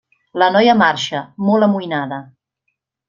La noia marxa, molt amoïnada.